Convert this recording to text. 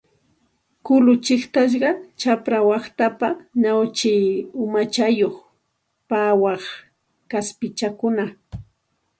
Kullu chiqtasqa, chapra waqtaypi ñawchi umachayuq pawaq kaspichakuna